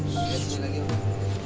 tunggu tunggu lagi